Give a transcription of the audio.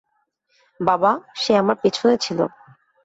বাবা, সে আমার পেছনে ছিল।